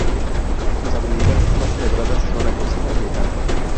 Sus habilidades más celebradas son la cocina y el canto.